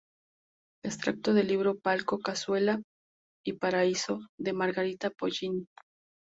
Extracto del libro "Palco, cazuela y paraíso" de Margarita Pollini